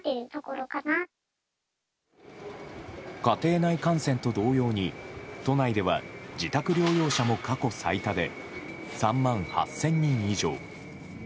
家庭内感染と同様に都内では自宅療養者も過去最多で、３万８０００人以上。